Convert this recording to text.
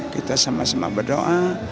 kita sama sama berdoa